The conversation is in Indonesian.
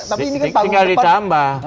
tapi ini kan panggung depan